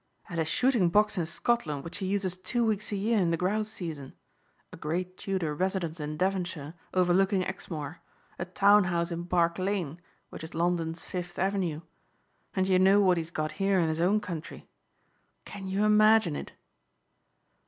"And a shooting box in Scotland which he uses two weeks a year in the grouse season. A great Tudor residence in Devonshire overlooking Exmoor, a town house in Park Lane which is London's Fifth Avenue! And you know what he's got here in his own country. Can you imagine it?"